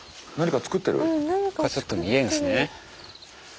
ここからちょっと見えるんですね。